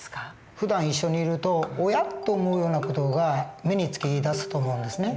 ふだん一緒にいるとおやっと思うような事が目に付きだすと思うんですね。